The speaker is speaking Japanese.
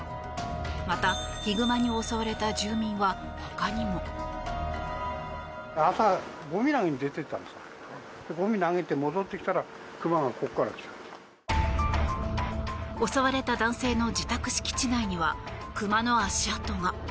またヒグマに襲われた住民は他にも。襲われた男性の自宅敷地内にはクマの足跡が。